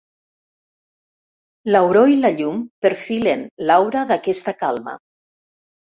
L'auró i la llum perfilen l'aura d'aquesta calma.